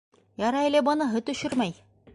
Ярай әле быныһы төшөрмәй.